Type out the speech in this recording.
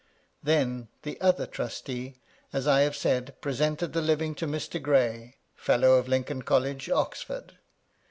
Then the other trustee, as I have said, presented the living to Mr. Gray, Fellow of Lincoln College, Oxford.